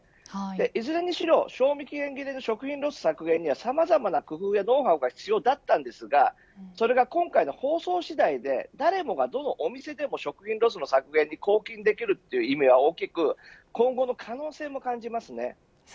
いずれにしろ賞味期限切れによる食品ロス削減にはさまざまな工夫やノウハウが必要でしたが、今回の包装次第で誰もがどのお店でも食品ロス削減に貢献できるという意味は大きく今後の可能性も感じます。